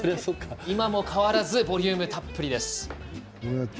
今も変わらずボリュームたっぷり。